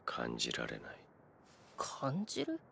感じる？